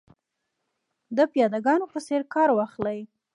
د پیاده ګانو په څېر کار واخلي.